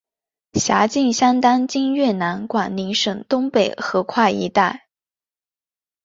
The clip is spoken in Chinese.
辖境相当今越南广宁省东北河桧一带。